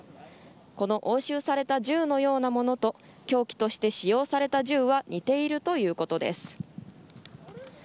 この押収された銃のようなものと凶器として使用された銃は似ているということです。